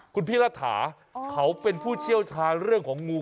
คุณพี่รัฐาเขาเป็นผู้เชี่ยวชาญเรื่องของงู